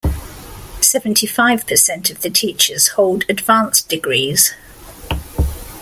Seventy-five percent of the teachers hold advanced degrees.